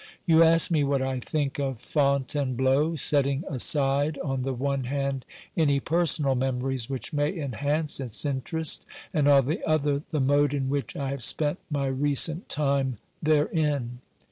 You ask me what I think of Fontainebleau, setting aside, on the one hand, any personal memories which may enhance its interest, and, on the other, the mode in which I have spent my recent time therein.